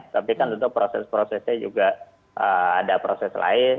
tapi kan tentu proses prosesnya juga ada proses lain